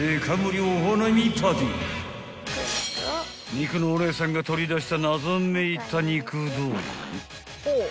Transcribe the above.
［肉のお姉さんが取り出した］